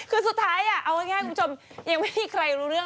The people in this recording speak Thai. กดวางอีกยังไม่รู้เลย